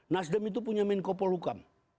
nasdem itu punya menkopol hukam